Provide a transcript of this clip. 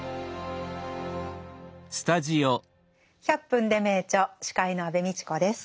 「１００分ｄｅ名著」司会の安部みちこです。